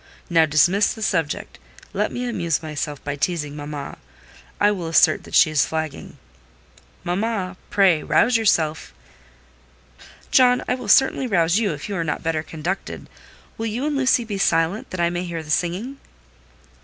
Now dismiss the subject. Let me amuse myself by teasing mamma: I will assert that she is flagging. Mamma, pray rouse yourself." "John, I will certainly rouse you if you are not better conducted. Will you and Lucy be silent, that I may hear the singing?"